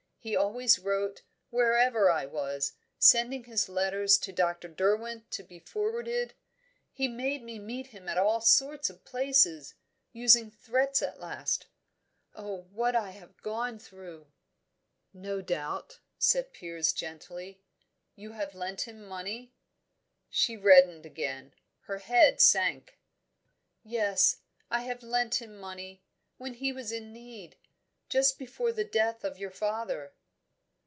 He always wrote, wherever I was, sending his letters to Dr. Derwent to be forwarded. He made me meet him at all sorts of places using threats at last. Oh, what I have gone through!" "No doubt," said Piers gently, "you have lent him money?" She reddened again; her head sank. "Yes I have lent him money, when he was in need. Just before the death of your father."